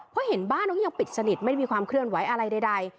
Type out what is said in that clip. เพราะเห็นบ้านเขายังปิดสนิทไม่มีความเคลื่อนไหวอะไรใด